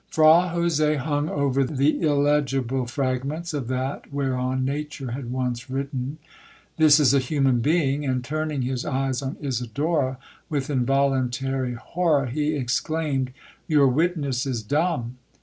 'Fra Jose hung over the illegible fragments of that whereon nature had once written—'This is a human being,' and, turning his eyes on Isidora, with involuntary horror he exclaimed, 'Your witness is dumb!'